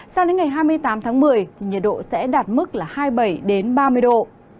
sau đến ngày hai mươi tám tháng một mươi nhiệt độ sẽ đạt mức hai mươi bảy ba mươi độ